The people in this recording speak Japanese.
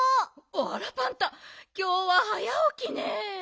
あらパンタきょうは早おきね。